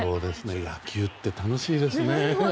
野球って楽しいですね。